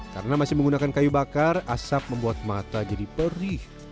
karena masih menggunakan kayu bakar asap membuat mata jadi perih